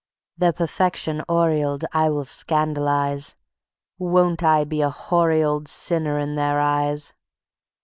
Their perfection aureoled I will scandalize: Won't I be a hoary old sinner in their eyes!